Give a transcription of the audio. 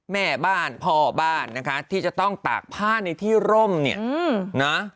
แม่บ้านพ่อบ้านนะคะที่จะต้องตากผ้าในที่ร่มเนี่ยนะ